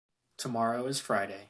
Tomorrow is Friday.